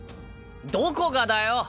どこがだよ！